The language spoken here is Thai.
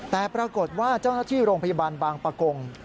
แต่ปรากฏว่าเจ้าหน้าที่โรงพยาบาลบางประกง